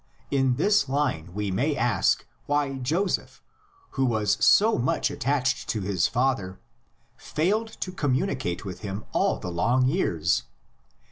In this line we may ask why Joseph, who was so much attached to his father, failed to communicate with him all the long years.